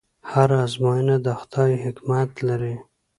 هره ازموینه د خدای حکمت لري.